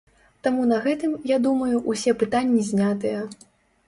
Таму на гэтым, я думаю, усе пытанні знятыя.